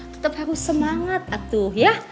tetep aku semangat atuh ya